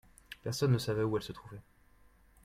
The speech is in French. Personne ne savait où elles se trouvaient